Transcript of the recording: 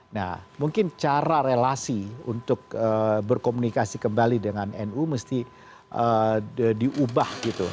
nah mungkin cara relasi untuk berkomunikasi kembali dengan nu mesti diubah gitu